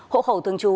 hậu khẩu thường trú